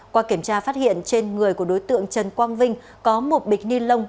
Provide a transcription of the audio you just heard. qua kiểm tra phát hiện trên người của đối tượng trần quang vinh có một bịch ni lông